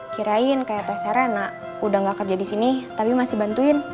kirain kayak teh serena udah gak kerja di sini tapi masih bantuin